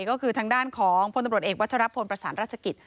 ก็คือทางด้านของพอเอกวัชรพประสานราชกิจ